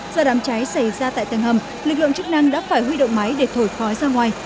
do đám cháy xảy ra tại tầng hầm lực lượng chức năng đã phải huy động máy để thổi khói ra ngoài